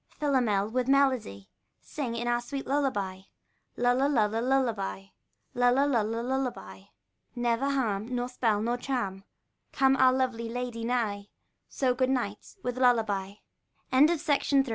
Philomel, with melody, Sing in our sweet lullaby ; Lulla, lulla, lullaby ; lulla, lulla, lullaby : Never harm, Nor spell, nor charm, Come our lovely lady nigh ; So, good night, with lullaby.